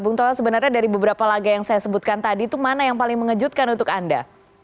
bung toha sebenarnya dari beberapa laga yang saya sebutkan tadi itu mana yang paling mengejutkan untuk anda